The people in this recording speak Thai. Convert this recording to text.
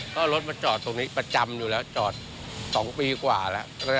ก็รถมาจอดตรงนี้ประจำอยู่แล้วจอด๒ปีกว่าแล้ว